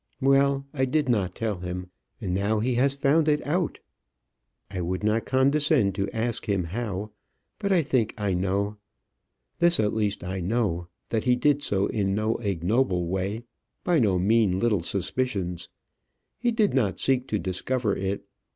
Well; I did not tell him, and now he has found it out. I would not condescend to ask him how; but I think I know. This at least I know, that he did so in no ignoble way, by no mean little suspicions. He did not seek to discover it.